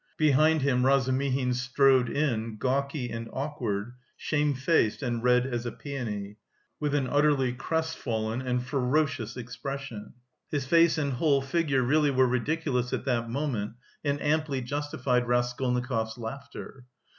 Behind him Razumihin strode in gawky and awkward, shamefaced and red as a peony, with an utterly crestfallen and ferocious expression. His face and whole figure really were ridiculous at that moment and amply justified Raskolnikov's laughter.